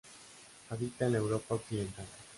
Habita en la Europa occidental.